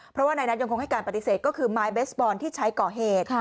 เพราะว่านายนัทยังคงให้การปฏิเสธก็คือไม้เบสบอลที่ใช้ก่อเหตุ